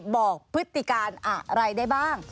บอกพฤติการณ์อะไรได้บ้าง